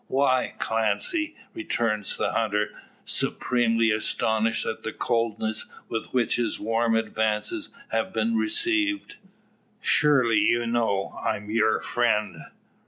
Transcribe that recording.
"Why, Clancy!" returns the hunter, supremely astonished at the coldness with which his warm advances have been received. "Surely you know I'm yur friend?"